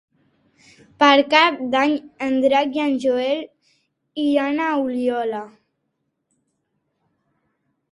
Per Cap d'Any en Drac i en Joel iran a Oliola.